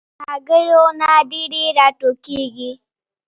غوماشې له هګیو نه ډېرې راټوکېږي.